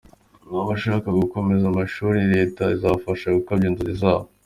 Abazashaka gukomeza amashuri leta izabafasha gukabya inzozi zabo